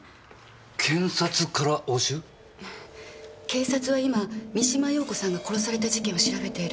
警察は今三島陽子さんが殺された事件を調べている。